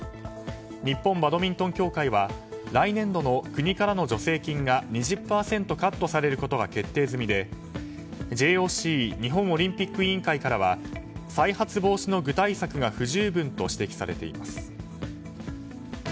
日本バドミントン協会は来年度の国からの助成金が２０％カットされることが決定済みでＪＯＣ・日本オリンピック委員会からは再発防止の具体策が不十分と指摘されています。